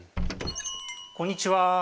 こんにちは。